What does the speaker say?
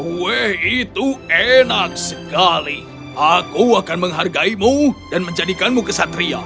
kue itu enak sekali aku akan menghargaimu dan menjadikanmu kesatria